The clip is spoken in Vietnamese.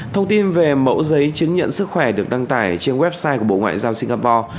thông tin về mẫu giấy chứng nhận sức khỏe được đăng tải trên website của bộ ngoại giao singapore